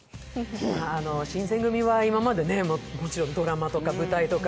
新選組は今までもちろんドラマとか舞台とか